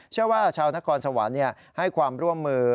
เชื่อว่าชาวนครสวรรค์ให้ความร่วมมือ